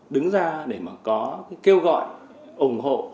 đứng ra để có kêu gọi ủng hộ